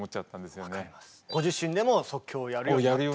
ご自身でも即興をやるようになって。